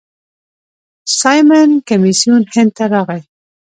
سایمن کمیسیون هند ته راغی.